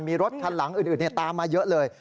มีรถคันหลังอื่นตามมาเยอะเลย